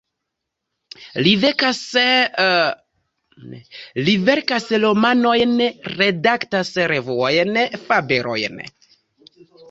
Li verkas romanojn, redaktas revuojn, fabelojn.